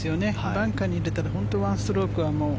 バンカーに入れたら本当に１ストロークは。